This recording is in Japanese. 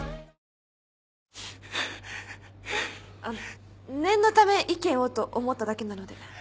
あの念のため意見をと思っただけなので。